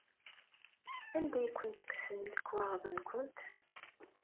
Anda i kent-kksen lekwaɣeḍ-nkent?